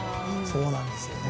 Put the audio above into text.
そうなんですよね。